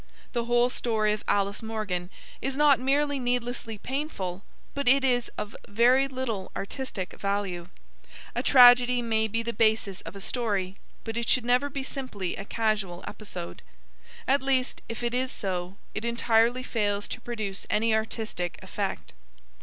The whole story of Alice Morgan is not merely needlessly painful, but it is of very little artistic value. A tragedy may be the basis of a story, but it should never be simply a casual episode. At least, if it is so, it entirely fails to produce any artistic effect.